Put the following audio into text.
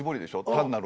単なる。